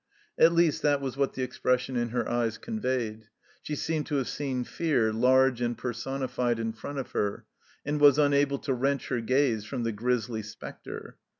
At least that was what the expression in her eyes conveyed ; she seemed to have seen " Fear " large and personified in front of her, and was unable to wrench her gaze from the grisly spectre.